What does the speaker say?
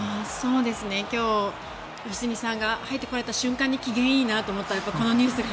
今日良純さんが入ってこられた瞬間に機嫌がいいと思ったらこのニュースが。